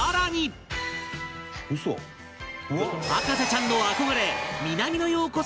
博士ちゃんの憧れ南野陽子さん